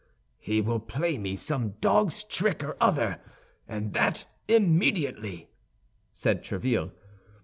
"He will play me some dog's trick or other, and that immediately," said Tréville.